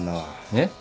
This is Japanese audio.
えっ？